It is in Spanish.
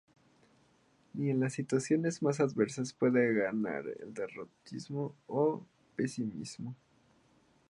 Ni en las situaciones más adversas puede ganar el derrotismo o pesimismo.